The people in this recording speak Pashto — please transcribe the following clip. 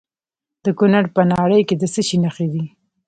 د کونړ په ناړۍ کې د څه شي نښې دي؟